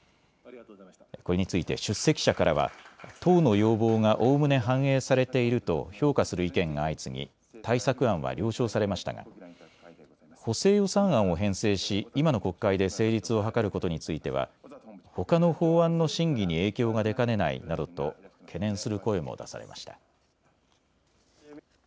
これについて出席者からは党の要望がおおむね反映されていると評価する意見が相次ぎ対策案は了承されましたが補正予算案を編成し今の国会で成立を図ることについては、ほかの法案の審議に影響が出かねないなどと懸念する声も出されました。